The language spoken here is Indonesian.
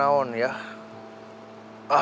dia juga kebanyakan ya